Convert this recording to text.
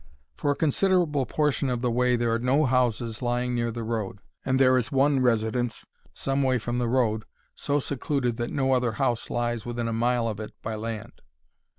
For a considerable portion of the way there are no houses lying near the road, and, there is one residence, some way from the road, so secluded that no other house lies within a mile of it by land.